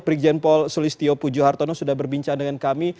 brigjen paul solistio pujuhartono sudah berbincang dengan kami